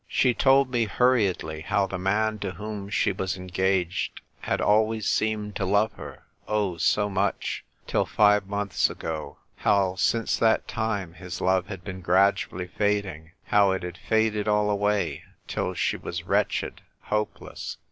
She told me hurriedly how the man to whom she was engaged had always seemed to love her, oh, so much — till five months ago ; how, since that time, his love had been gradually fading; how it had faded all away, till she was wretched, hopeless